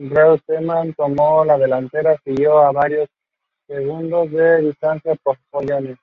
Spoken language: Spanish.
Reutemann tomó la delantera seguido a varios segundos de distancia por Jones.